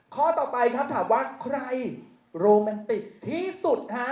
ข้อต่อไปครับถามว่าใครโรแมนติกที่สุดฮะ